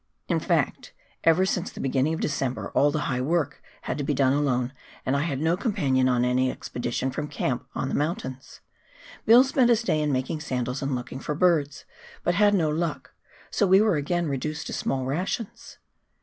In fact, ever since the beginning of December all the high work had to be done alone, and I had no companion on any expedition from camp on the mountains. Bill spent this day in making sandals and looking for birds, but had no luck, so we were again reduced to small rations.